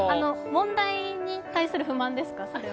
問題に対する不満ですか、それは。